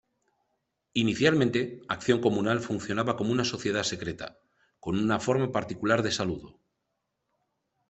Inicialmente, Acción Comunal funcionaba como una sociedad secreta, con una forma particular de saludo.